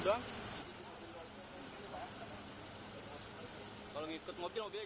langsung saja kita mulai yuk